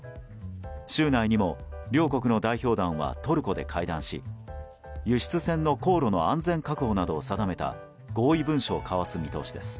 週内にも両国の代表団はトルコで会談し輸出船の航路の安全確保などを定めた合意文書を交わす見通しです。